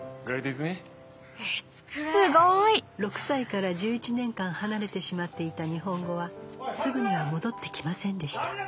６歳から１１年間離れてしまっていた日本語はすぐには戻ってきませんでした